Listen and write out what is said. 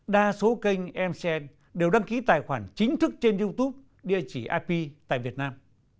đa số kênh mcn đều đăng ký tài khoản chính thức trên youtube địa chỉ ip tại việt nam